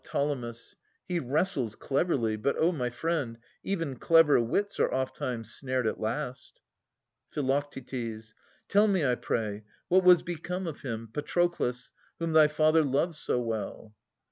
He wrestles cleverly ; but, O my friend, Even clever wits are ofttimes snared at last. Phi. Tell me, I pray, what was become of him, Patroclus, whom thy father loved so well